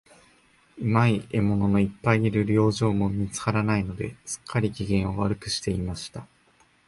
うまい獲物のいっぱいいる猟場も見つからないので、すっかり、機嫌を悪くしていました。